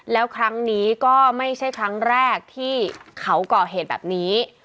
แล้วครั้งนี้ก็ไม่ใช่ครั้งแรกที่เขาก่อเหตุแบบนี้